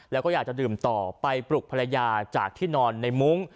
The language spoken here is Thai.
แล้วก็อยากจะดื่มต่อไปปลุกภรรยาจากที่นอนในมุ้ง